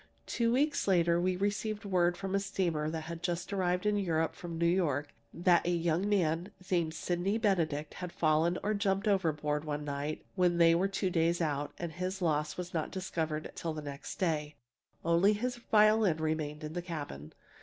Two weeks later we received word from a steamer that had just arrived in Europe from New York, that a young man named Sydney Benedict had fallen or jumped overboard one night when they were two days out, and his loss was not discovered till next day. Only his violin remained in the cabin.